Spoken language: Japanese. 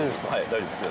大丈夫ですか？